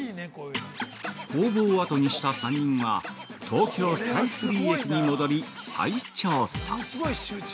工房を後にした３人は、とうきょうスカイツリー駅に戻り、再調査。